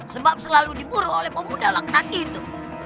sebab selalu diburu oleh pemuda laknan itu